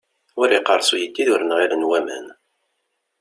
Ur yeqqers uyeddid ur nɣilen waman.